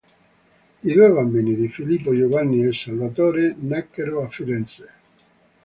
I due bambini di Filippo, Giovanni e Salvatore, nacquero a Firenze.